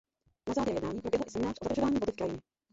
Na závěr jednání proběhl i seminář o zadržování vody v krajině.